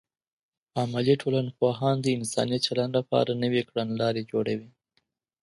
عملي ټولنپوهان د انساني چلند لپاره نوې کړنلارې جوړوي.